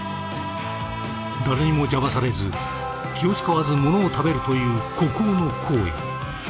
誰にも邪魔されず気を遣わずものを食べるという孤高の行為。